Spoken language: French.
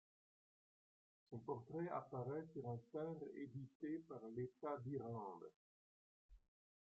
Son portrait apparait sur un timbre édité par l’État d’Irlande.